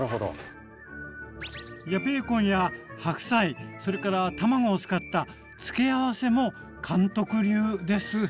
ベーコンや白菜それから卵を使った付け合わせも監督流です！